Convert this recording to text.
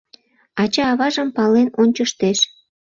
Ача-аважым пален ончыштеш...